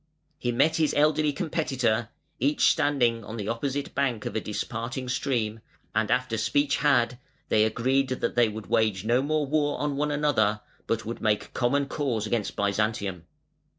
He met his elderly competitor, each standing on the opposite bank of a disparting stream, and after speech had, they agreed that they would wage no more war on one another but would make common cause against Byzantium.